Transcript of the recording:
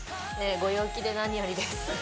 ご陽気で何よりです